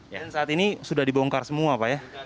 dan saat ini sudah dibongkar semua pak ya